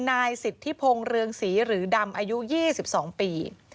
นายสิทธิพงศ์เรืองศรีหรือดำอายุ๒๒ปี